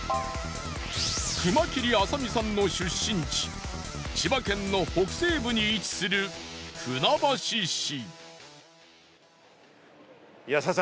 熊切あさ美さんの出身地千葉県の北西部に位置する船橋市。